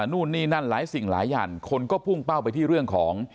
นู่นนี่นั่นหลายสิ่งหลายอย่างคนก็พุ่งเป้าไปที่เรื่องของ